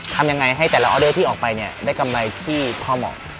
ทำยังไงให้แต่ละออเดอร์ที่ออกไปเนี่ยได้กำไรที่พอเหมาะ